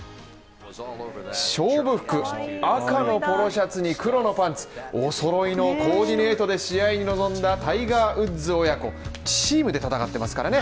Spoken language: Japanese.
勝負服赤のポロシャツに黒のパンツ、お揃いのコーディネートで試合に臨んだタイガー・ウッズ親子チームで戦ってますからね。